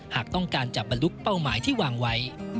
หากต้องการจะบรรลุเป้าหมายที่วางไว้